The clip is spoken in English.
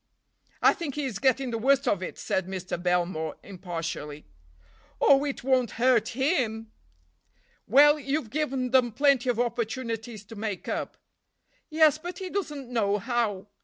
"I think he is getting the worst of it," said Mr. Belmore impartially. "Oh, it won't hurt him." "Well, you've given them plenty of opportunities to make up." "Yes, but he doesn't know how."